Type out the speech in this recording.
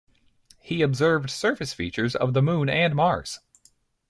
He observed surface features of the Moon and Mars.